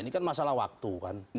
ini kan masalah waktu kan